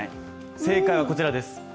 正解はこちらです。